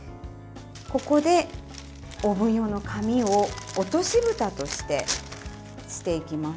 ここでオーブン用の紙を落としぶたとして、していきます。